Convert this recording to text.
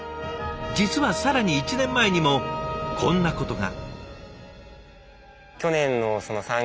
実は更に１年前にもこんなことが。